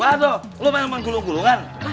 waduh lu pengen main gulung gulungan